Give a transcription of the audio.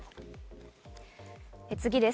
次です。